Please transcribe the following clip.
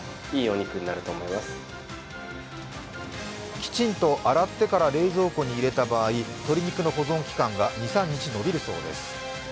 きちんと洗ってから冷蔵庫に入れた場合、鶏肉の保存期間は２３日延びるそうです。